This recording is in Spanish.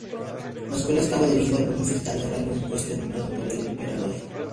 La escuela estaba dirigida por un fiscal de rango ecuestre nombrado por el emperador.